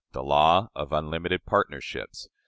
The Law of Unlimited Partnerships.